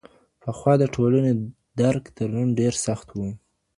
پخوا د ټولني درک تر نن ډېر سخت وو.